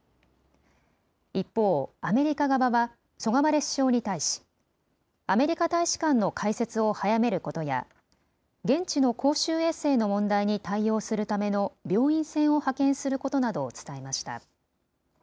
一方、アメリカ側はソガバレ首相に対し、アメリカ大使館の開設を早めることや、現地の公衆衛生の問題に対応するための病院船を派遣することなどを伝えました。